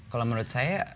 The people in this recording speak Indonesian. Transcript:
kalau menurut saya